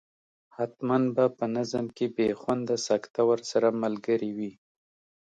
حتما به په نظم کې بې خونده سکته ورسره ملګرې وي.